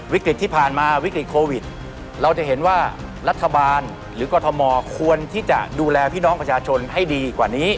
วิกฤตที่ผ่านมาวิกฤตโควิดเราจะเห็นว่ารัฐบาลหรือกรทมควรที่จะดูแลพี่น้องประชาชนให้ดีกว่านี้